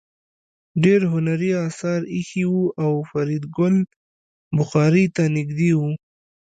ډېر هنري اثار ایښي وو او فریدګل بخارۍ ته نږدې و